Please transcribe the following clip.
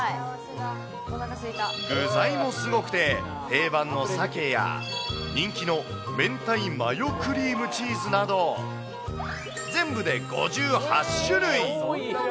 具材もすごくて、定番のサケや、人気の明太マヨクリームチーズなど、全部で５８種類。